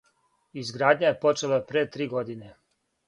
Изградња је почела пре три године.